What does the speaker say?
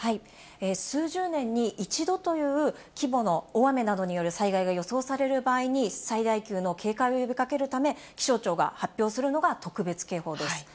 数十年に一度という規模の大雨などによる災害が予想される場合に、最大級の警戒を呼びかけるため、気象庁が発表するのが特別警報です。